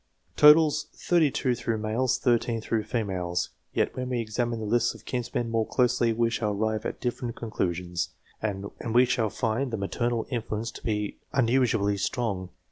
Totals, 32 through males ; 13 through females ; yet, when we examine the lists of kinsmen more closely, we shall arrive at different conclusions, and we shall find the maternal influence to be unusually strong.